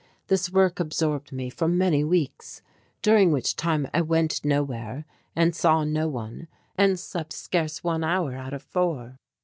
This work absorbed me for many weeks, during which time I went nowhere and saw no one and slept scarce one hour out of four.